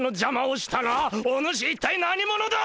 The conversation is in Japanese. お主一体何者だ！